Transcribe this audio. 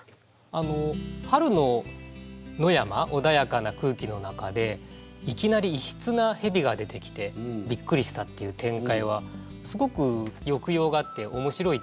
春の野山穏やかな空気の中でいきなり異質なへびが出てきてびっくりしたっていう展開はすごく抑揚があって面白い展開だと思いました。